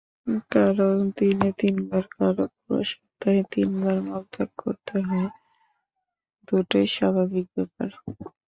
কারও দিনে তিনবার, কারও পুরো সপ্তাহে তিনবার মলত্যাগ করতে হয়—দুটোই স্বাভাবিক ব্যাপার।